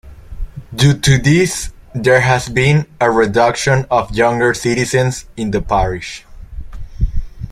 Due to this, there has been a reduction of younger citizens in the parish.